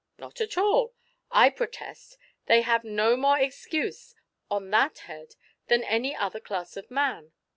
"Not at all; I protest they have no more excuse on that head than any other class of man.